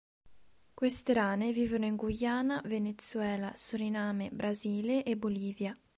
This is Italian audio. Queste rane vivono in Guyana, Venezuela, Suriname, Brasile e Bolivia.